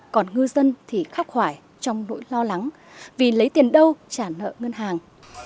còn ngư dân thì khắc hoài trong nỗi lo lắng vì lấy tiền đâu trả nợ ngân hàng